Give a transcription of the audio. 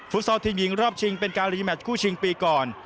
ซอลทีมหญิงรอบชิงเป็นการรีแมทคู่ชิงปีก่อน